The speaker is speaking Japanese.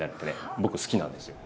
僕好きなんですよ。